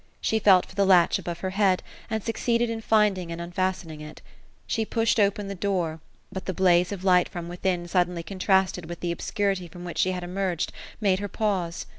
She felt for the latch above her head ; and succeeded in finding, and unfastening it. She pushed open the door; but the blaze of light from within, suddenly contrasted with the obscurity from which she had emerged, made her pause.